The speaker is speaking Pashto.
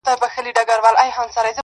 خو د دې اور په بارانونو کي به ځان ووينم,